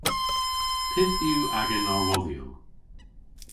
Pyth yw agan arwodhyow?